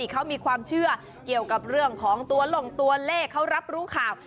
เขามีความเชื่อเกี่ยวกับเรื่องของตัวลงตัวเลขเขารับรู้ข่าว